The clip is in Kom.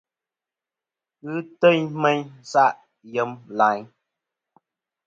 Ghɨ teyn mey nsaʼ yem layn.